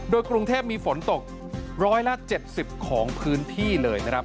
โดยกรุงเทพมีฝนตกร้อยละ๗๐ของพื้นที่เลยนะครับ